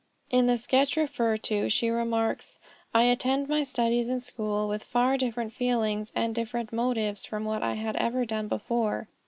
In the sketch referred to she remarks, "I attended my studies in school with far different feelings and different motives from what I had ever done before.